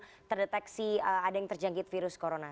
yang terdeteksi ada yang terjangkit virus corona